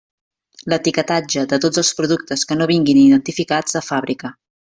L'etiquetatge de tots els productes que no vinguin identificats de fàbrica.